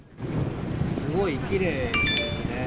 すごいきれいですね。